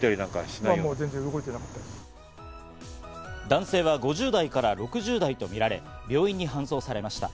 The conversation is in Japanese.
男性は５０代から６０代とみられ、病院に搬送されました。